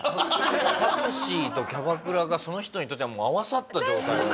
タクシーとキャバクラがその人にとってはもう合わさった状態。